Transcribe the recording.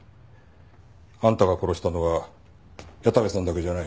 あんたが殺したのは矢田部さんだけじゃない。